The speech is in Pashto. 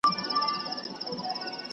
¬ هندو له يخه مړ سو چرگه ئې ژوندۍ پاته سوه.